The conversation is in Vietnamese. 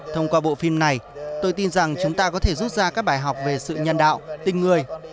thông qua bộ phim này tôi tin rằng chúng ta có thể rút ra các bài học về sự nhân đạo tình người